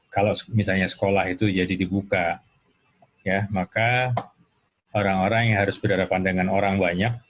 kalau misalnya sekolah itu jadi dibuka ya maka orang orang yang harus berhadapan dengan orang banyak